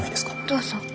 どうぞ。